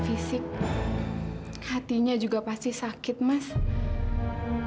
dia ingin kerja dan pusaka itu masiheza